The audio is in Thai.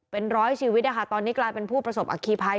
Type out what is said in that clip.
เป็นร้อยชีวิตนะคะตอนนี้กลายเป็นผู้ประสบอัคคีภัย